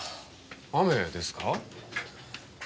雨ですか？